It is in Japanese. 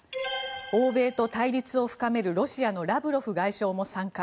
欧米と対立を深めるロシアのラブロフ外相も参加。